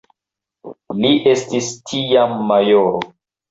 Li estis tiam majoro.